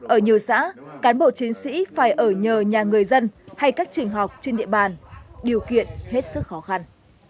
ở nhiều xã cán bộ chiến sĩ phải ở nhờ nhà người dân hay các trường học trên địa bàn điều kiện hết sức khó khăn